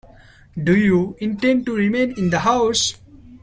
Do you intend to remain in the house?